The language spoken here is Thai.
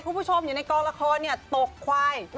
คุณผู้ชมอยู่ในกลางละครเนี่ยตกควาย